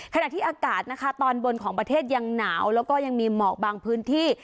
ขณะที่อากาศนะคะตอนบนของประเทศยังหนาวแล้วก็ยังมีหมอกบางพื้นที่